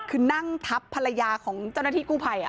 คือนั่งทับภรรยาของเจ้าหน้าที่กู้ภัย